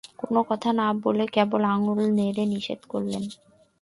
কোনো কথা না বলে কেবল আঙুল নেড়ে নিষেধ করলেন।